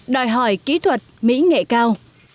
đòi hỏi kỹ thuật mỹ nghệ cao